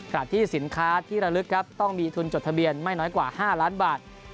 ที่สินค้าที่ระลึกครับต้องมีทุนจดทะเบียนไม่น้อยกว่า๕ล้านบาท